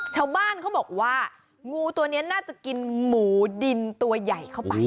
ชาวบ้านเขาบอกว่างูตัวนี้น่าจะกินหมูดินตัวใหญ่เข้าไป